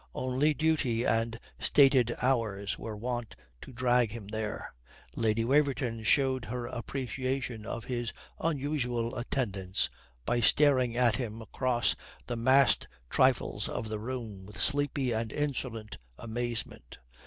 Only duty and stated hours were wont to drag him there. Lady Waverton showed her appreciation of his unusual attendance by staring at him across the massed trifles of the room with sleepy and insolent amazement.